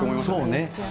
そうね。